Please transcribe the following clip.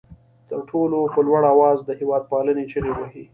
تر ټولو په لوړ آواز د هېواد پالنې چغې وهي.